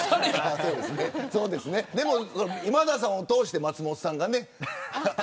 今田さんを通して松本さんがね。